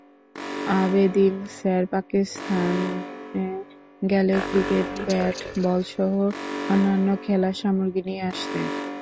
Abedin sir পাকিস্তানে গেলে cricket ব্যাট-বলসহ অন্যান্য খেলার সামগ্রী নিয়ে আসতেন।